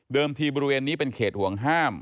ที่บริเวณนี้เป็นเขตห่วงห้าม